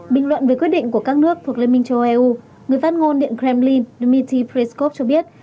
bình luận về quyết định của các nước thuộc liên minh châu âu người phát ngôn điện kremlin dmitry preskov cho biết